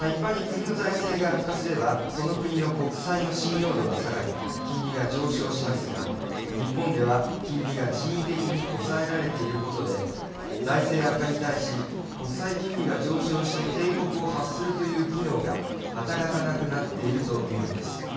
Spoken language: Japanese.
一般に国の財政が悪化すればその国の国債の信用度が下がり金利が上昇しますが日本では、金利が人為的に抑えられていることで財政悪化に対し、国債金利が上昇して警告を発するという機能が働かなくなっているというのです。